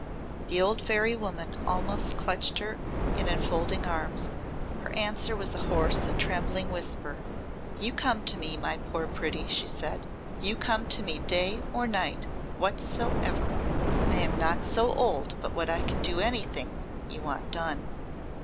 The old fairy woman almost clutched her in enfolding arms. Her answer was a hoarse and trembling whisper. "You come to me, my poor pretty," she said. "You come to me day or night whatsoever. I'm not so old but what I can do anything you want done."